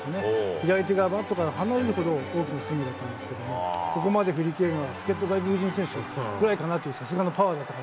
左手がバットから離れるほど大きなスイングだったんですけども、ここまで振り切れるのは、助っと外国人選手ぐらいかなというさす